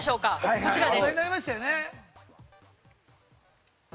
こちらです。